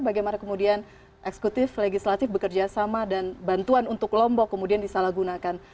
bagaimana kemudian eksekutif legislatif bekerja sama dan bantuan untuk lombok kemudian disalahgunakan